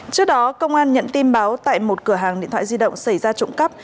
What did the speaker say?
trước đó công an nhận tin báo tại một cửa hàng điện thoại di động xảy ra trộm cắp